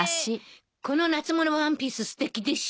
この夏物ワンピースすてきでしょ！